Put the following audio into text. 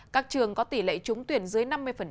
các trường có tỷ lệ trúng tuyển dưới năm mươi